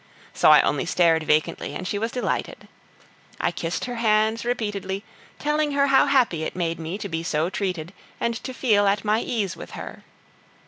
So I only stared vacantly and she was delighted. I kissed her hands repeatedly, telling her how happy it made me to be so treated and to feel at my ease with her.